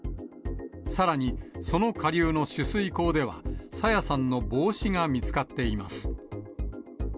さらに、その下流の取水口では、朝芽さんの帽子が見つかっています。